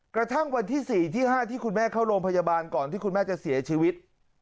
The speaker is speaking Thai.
กระทั่งวันที่๔ที่๕ที่คุณแม่เข้าโรงพยาบาลก่อนที่คุณแม่จะเสียชีวิต